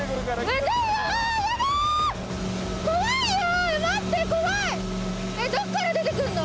えっどっから出てくんの？